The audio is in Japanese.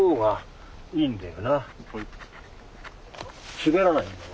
滑らないんだよ